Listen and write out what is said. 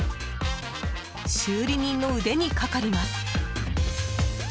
修理人の腕にかかります。